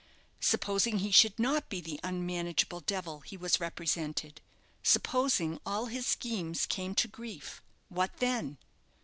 Supposing he should not be the unmanageable devil he was represented, supposing all his schemes came to grief, what then?